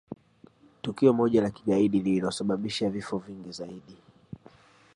tukio moja la kigaidi lililosababisha vifo vingi zaidi